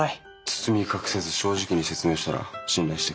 包み隠さず正直に説明したら信頼してくれた。